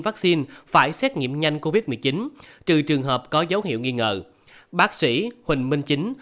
vaccine phải xét nghiệm nhanh covid một mươi chín trừ trường hợp có dấu hiệu nghi ngờ bác sĩ huỳnh minh chính